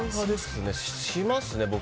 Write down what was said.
しますね、僕。